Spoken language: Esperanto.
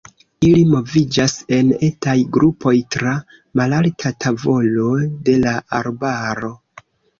Ili moviĝas en etaj grupoj tra malalta tavolo de la arbaro.